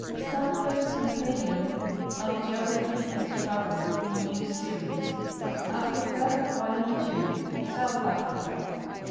*Stan ford's Compendium of Geography and Travel {new series). Africa. Volume II, South A frica.